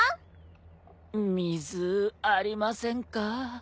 水ありませんか？